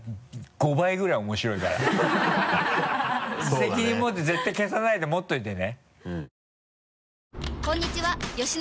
責任持って絶対消さないで持っておいてね。